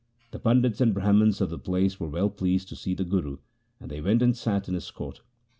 The Pandits and Brahmans of the place were well pleased to see the Guru, and they went and sat in his court.